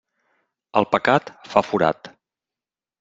El pecat fa forat.